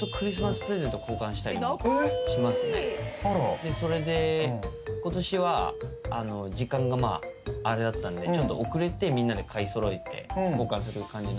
でそれで今年は時間があれだったんでちょっと遅れてみんなで買い揃えて交換する感じなんすけど。